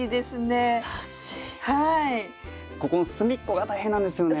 ここの隅っこが大変なんですよね。